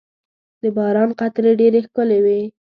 • د باران قطرې ډېرې ښکلي وي.